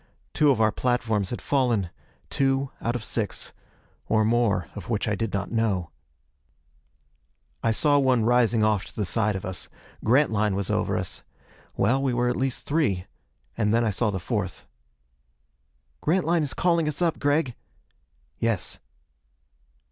Two of our platforms had fallen two out of six. Or more, of which I did not know. I saw one rising off to the side of us. Grantline was over us. Well, we were at least three. And then I saw the fourth. "Grantline is calling us up, Gregg." "Yes."